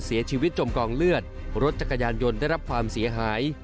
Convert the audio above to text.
จมกองเลือดรถจักรยานยนต์ได้รับความเสียหาย